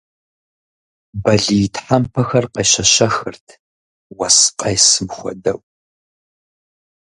Бэлий тхьэмпэхэр къещэщэхырт, уэс къесым хуэдэу.